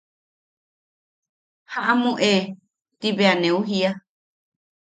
¡Jaʼamu e! ti bea neu jiia.